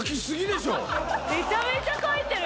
めちゃめちゃ書いてる！